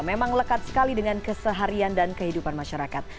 memang lekat sekali dengan keseharian dan kehidupan masyarakat